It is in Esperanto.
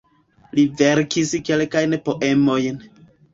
Li verkis kelkajn poemojn.